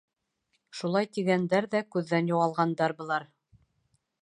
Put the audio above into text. Шулай тигәндәр ҙә күҙҙән юғалғандар былар.